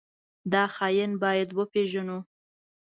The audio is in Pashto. دا خاين بايد وپېژنو.